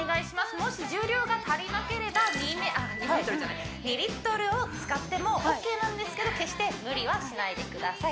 もし重量が足りなければ２メあっ２メートルじゃない２リットルを使ってもオーケーなんですけど決して無理はしないでください